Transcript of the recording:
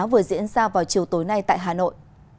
vừa diễn ra vào chiều tối nay tại hà nội